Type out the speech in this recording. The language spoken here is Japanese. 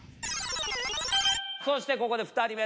そしてここで２人目。